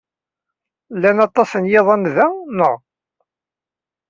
Llan aṭas n yiḍan da, naɣ?